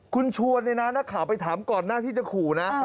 คุณชวนเนี่ยนะนักข่าวไปถามก่อนหน้าที่จะขู่นะ